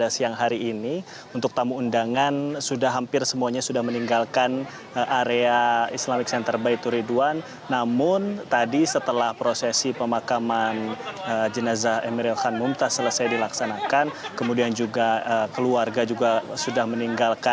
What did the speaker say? selamat siang verdi